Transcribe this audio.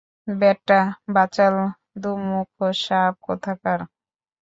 ব্যাটা বাচাল দুমুখো সাপ কোথাকার!